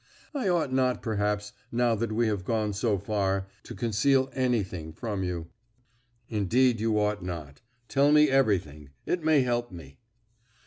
I ought not, perhaps, now that we have gone so far, to conceal anything from you." "Indeed you ought not. Tell me everything; it may help me."